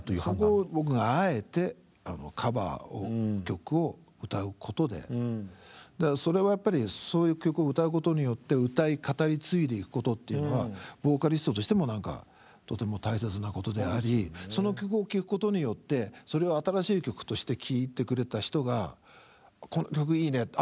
そこを僕があえてカバー曲を歌うことでそれはやっぱりそういう曲を歌うことによって歌い語り継いでいくことっていうのはボーカリストとしてもとても大切なことでありその曲を聴くことによってそれを新しい曲として聴いてくれた人がこの曲いいね。